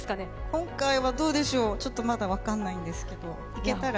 今回はどうでしょう、ちょっとまだ分かんないですけど行けたら。